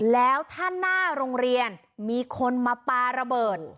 แล้วถ้าหน้าโรงเรียนมีคนมาปลาระเบิด